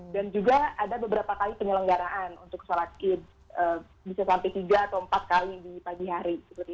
dan juga ada beberapa kali penyelenggaraan untuk sholat kid bisa sampai tiga atau empat kali di pagi hari